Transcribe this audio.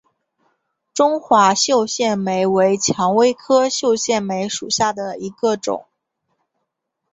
中华绣线梅为蔷薇科绣线梅属下的一个种。